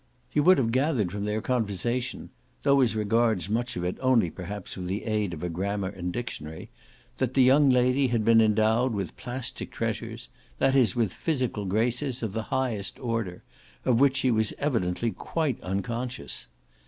You would have gathered from their conversation though as regards much of it only perhaps with the aid of a grammar and dictionary that the young lady had been endowed with plastic treasures, that is with physical graces, of the highest order, of which she was evidently quite unconscious.